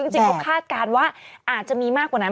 จริงเขาคาดการณ์ว่าอาจจะมีมากกว่านั้น